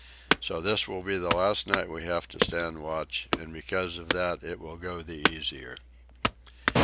So this will be the last night we have to stand watch, and because of that it will go the easier."